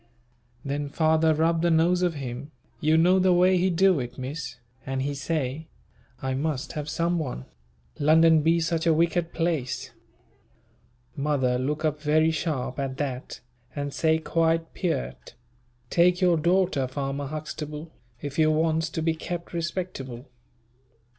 Then father rub the nose of him, you know the way he do it, Miss, and he say, "I must have some one. London be such a wicked place." Mother look up very sharp at that, and say quite peart, "take your daughter, farmer Huxtable, if you wants to be kept respectable."